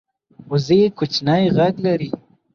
وزې کوچنی غږ لري